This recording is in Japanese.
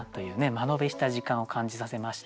間延びした時間を感じさせまして。